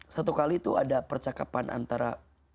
satu kali itu ada percakapan antara